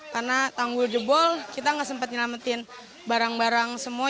karena tanggul jebol kita nggak sempat nyelamatin barang barang semua